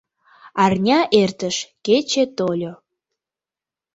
Арня эртыш, кече тольо.